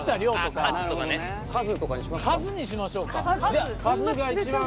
数にしましょうか。